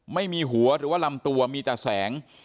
ไม่มีหัวหรือว่าลำตัวมีแต่แสง